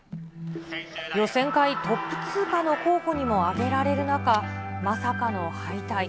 予選会トップ通過の候補にも挙げられる中、まさかの敗退。